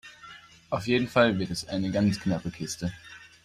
Auf jeden Fall wird es eine ganz knappe Kiste.